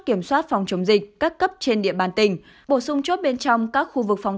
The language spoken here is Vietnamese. kiểm soát phòng chống dịch các cấp trên địa bàn tỉnh bổ sung chốt bên trong các khu vực phòng